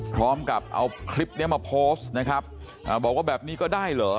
พร้อมกับเอาคลิปเนี้ยมาโพสต์นะครับบอกว่าแบบนี้ก็ได้เหรอ